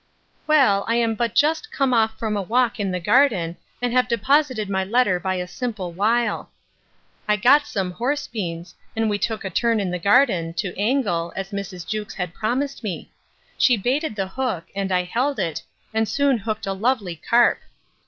Well, I am but just come off from a walk in the garden, and have deposited my letter by a simple wile. I got some horse beans; and we took a turn in the garden, to angle, as Mrs. Jewkes had promised me. She baited the hook, and I held it, and soon hooked a lovely carp.